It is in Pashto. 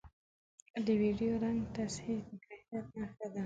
د ویډیو رنګ تصحیح د کیفیت نښه ده